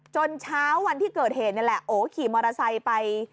เช้าวันที่เกิดเหตุนี่แหละโอขี่มอเตอร์ไซค์ไป